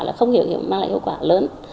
là không hiệu quả mang lại hiệu quả lớn